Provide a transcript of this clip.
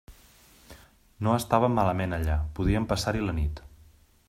No estaven malament allà; podien passar-hi la nit.